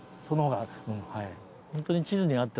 そのほうが早い。